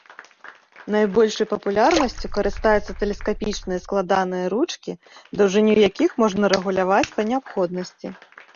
Найбольшай папулярнасцю карыстаюцца тэлескапічныя складаныя ручкі, даўжыню якіх можна рэгуляваць па неабходнасці.